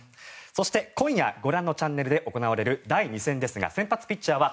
そして、今夜ご覧のチャンネルで行われる第２戦ですが、先発ピッチャーは